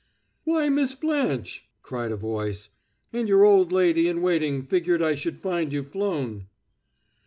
"Why, Miss Blanche!" cried a voice. "And your old lady in waiting figured I should find you flown!"